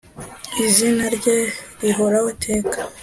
izina rye rihoraho iteka.